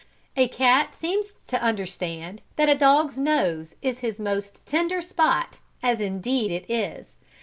A cat seems to understand that a dog's nose is his most tender spot, as indeed it is.